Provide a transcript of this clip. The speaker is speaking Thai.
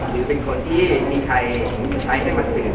หรือเป็นคนที่มีใครใช้ให้มาสื่อ